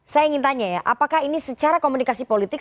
saya ingin tanya ya apakah ini secara komunikasi politik